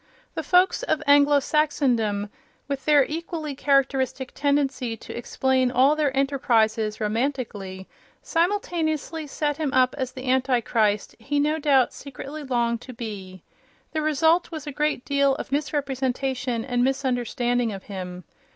The folks of Anglo Saxondom, with their equally characteristic tendency to explain all their enterprises romantically, simultaneously set him up as the Antichrist he no doubt secretly longed to be. The result was a great deal of misrepresentation and misunderstanding of him.